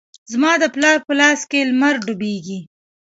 زما د پلار په لاس کې لمر ډوبیږې